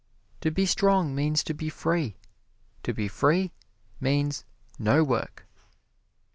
To be strong means to be free to be free means no work!